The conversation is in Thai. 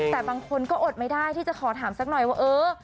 แต่บางคนก็อดไม่ได้ที่จะขอถามสักหน่อยว่าเออ